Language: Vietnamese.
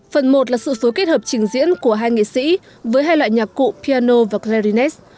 phần một là sự phối kết hợp trình diễn của hai nghệ sĩ với hai loại nhạc cụ piano và crennes